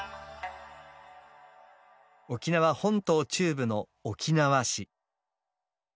沖縄本島中部の沖縄市。